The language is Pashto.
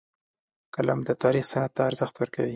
قلم د تاریخ سند ته ارزښت ورکوي